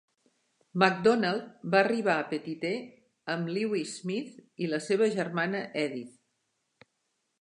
MacDonald va arribar a Petite amb Lewis Smith i la seva germana Edith.